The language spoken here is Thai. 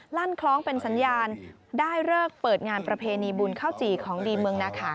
ลั่นคล้องเป็นสัญญาณได้เลิกเปิดงานประเพณีบุญข้าวจี่ของดีเมืองนาขา